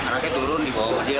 anaknya turun di bawah dia